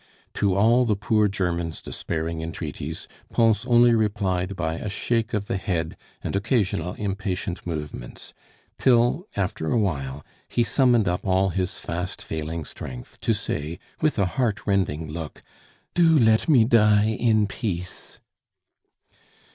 To all the poor German's despairing entreaties Pons only replied by a shake of the head and occasional impatient movements; till, after awhile, he summoned up all his fast failing strength to say, with a heartrending look: "Do let me die in peace!"